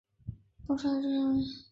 不能杀掉这些人